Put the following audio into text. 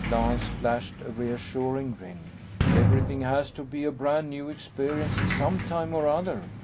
Lance flashed a reassuring grin. "Everything has to be a brand new experience, at some time or other.